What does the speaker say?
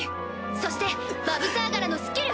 そしてバヴサーガラのスキル！